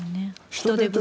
人手不足。